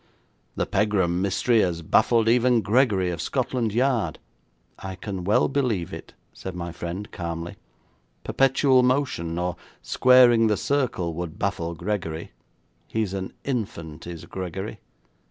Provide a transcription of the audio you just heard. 'The Pegram mystery has baffled even Gregory, of Scotland Yard.' 'I can well believe it,' said my friend, calmly. 'Perpetual motion, or squaring the circle, would baffle Gregory. He's an infant, is Gregory.'